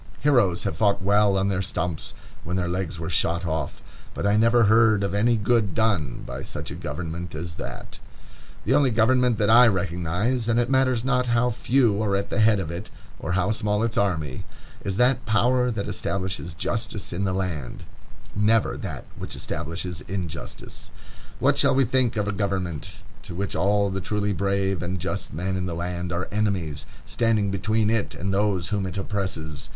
Heroes have fought well on their stumps when their legs were shot off, but I never heard of any good done by such a government as that. The only government that I recognize,—and it matters not how few are at the head of it, or how small its army,—is that power that establishes justice in the land, never that which establishes injustice. What shall we think of a government to which all the truly brave and just men in the land are enemies, standing between it and those whom it oppresses?